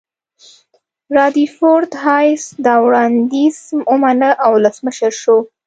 رادرفورد هایس دا وړاندیز ومانه او ولسمشر شو.